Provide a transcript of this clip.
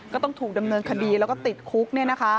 ก็ต้องถูกดำเนินคดีแล้วก็ติดคุก